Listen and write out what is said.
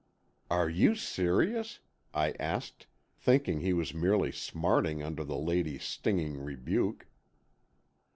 "Are you serious?" I asked, thinking he was merely smarting under the lady's stinging rebuke.